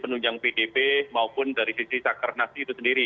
penunjang pdb maupun dari sisi sakernasi itu sendiri